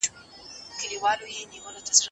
له ایډېټرانو سره کار اسانه نه و.